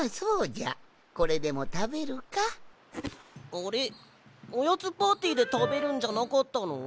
あれおやつパーティーでたべるんじゃなかったの？